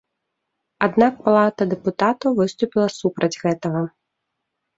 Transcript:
Аднак палата дэпутатаў выступіла супраць гэтага.